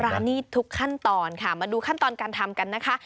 ร้านนี้ทุกขั้นตอนค่ะมาดูขั้นตอนการทำกันนะคะ